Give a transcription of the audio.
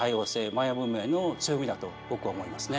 マヤ文明の強みだと僕は思いますね。